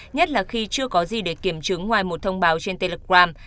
nhất là khi chưa có gì để kiểm chứng ngoài một thông báo trên telegram